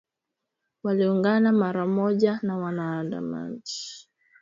waliungana mara moja na waandamanaji